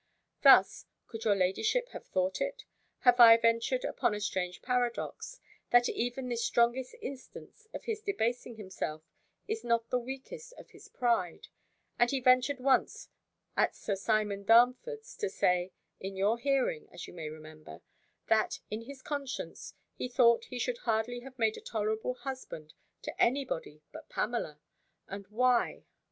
Thus (could your ladyship have thought it?) have I ventured upon a strange paradox, that even this strongest instance of his debasing himself, is not the weakest of his pride: and he ventured once at Sir Simon Darnford's to say, in your hearing, as you may remember, that, in his conscience, he thought he should hardly have made a tolerable husband to any body but Pamela: and why?